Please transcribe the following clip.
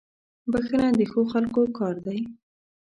• بښنه د ښو خلکو کار دی.